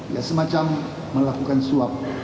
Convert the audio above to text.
ya semacam melakukan swab